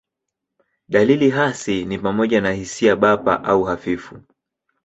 Dalili hasi ni pamoja na hisia bapa au hafifu.